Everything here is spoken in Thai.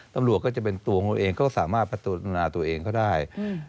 ตำรวจก็จะเป็นตัวของเขาเองเขาก็สามารถประตูดนาตัวเองก็ได้